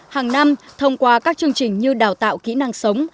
hàng năm thông qua các chương trình như đào tạo kỹ năng sống